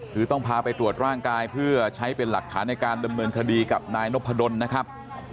คือต้องพาไปตรวจร่างกายเพื่อใช้เป็นหลักฐานในการดำเนินคดีกับนายนพดลนะครับ